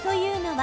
は